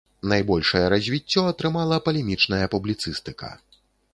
Найбольшае развіццё атрымала палемічная публіцыстыка.